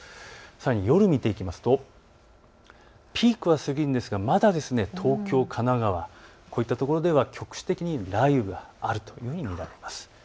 さらに夜を見ていくとピークは過ぎるんですがまだ東京、神奈川、こういったところでは局地的に雷雨があると見られます。